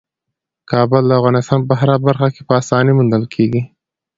کابل د افغانستان په هره برخه کې په اسانۍ موندل کېږي.